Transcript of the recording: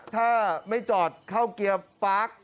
ถ้าไม่จอดเข้าเกียร์ปาร์ค